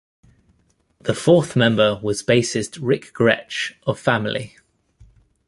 The fourth member was bassist Ric Grech of Family.